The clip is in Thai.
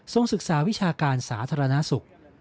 ทรงศึกษาวิชากาลศาสตราณะศุกร์